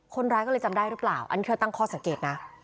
คนร้ายก็เลยจำได้หรือเปล่าอันนี้เธอตั้งข้อสังเกตนะ